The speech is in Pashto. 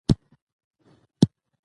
ذهني غبرګونونه زموږ خوندیتوب تضمینوي.